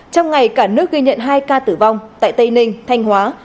trong ngày cả nước ghi nhận hai ca tử vong tại tây ninh thanh hóa